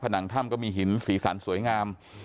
หนังถ้ำก็มีหินสีสันสวยงาม